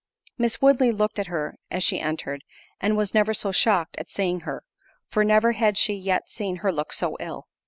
Miss Woodley looked at her as she entered, and was never so shocked at seeing her; for never had she yet seen her look so ill.